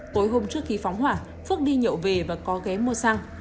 tối hôm trước khi phóng hỏa phước đi nhậu về và có ghé mua xăng